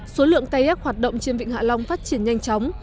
số lượng tay hét hoạt động trên vịnh hạ long phát triển nhanh chóng